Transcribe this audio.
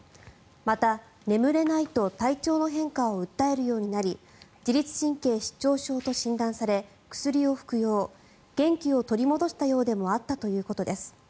また、眠れないと体調の変化を訴えるようになり自律神経失調症と診断され薬を服用元気を取り戻したようでもあったということです。